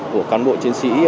của cán bộ chiến sĩ